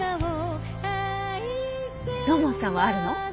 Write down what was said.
土門さんはあるの？